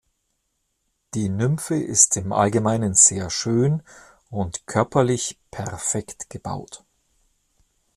Die Nymphe ist im Allgemeinen sehr schön und körperlich perfekt gebaut.